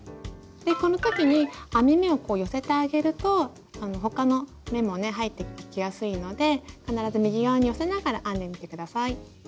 この時に編み目をこう寄せてあげると他の目もね入っていきやすいので必ず右側に寄せながら編んでみて下さい。